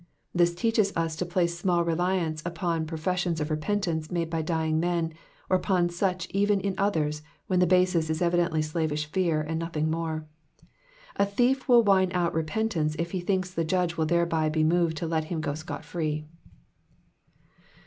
This teaches us to place small reliance upon professions of repentance made by dying men, or upon such even in others when the basis is evidently slavish fear, and nothing more. Any thief will whine out repentance if he thinks the judge will thereby be moved to let him go scot free.